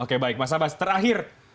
oke baik mas abbas terakhir